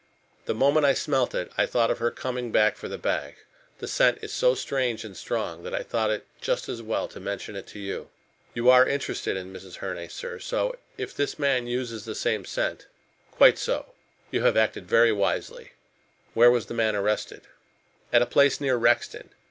The moment I smelt it I thought of her coming back for the bag. The scent is so strange and strong that I thought it just as well to mention it to you. You are interested in Mrs. Herne, sir, so if this man uses the same scent " "Quite so. You have acted very wisely. Where was the man arrested?" "At a place near Rexton.